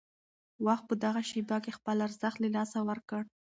وخت په دغه شېبه کې خپل ارزښت له لاسه ورکړ.